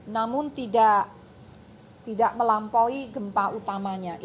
namun tidak melampaui gempa utamanya